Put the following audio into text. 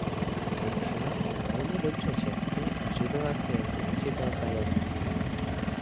Naučila se velmi dobře česky a živila se jako učitelka jazyků.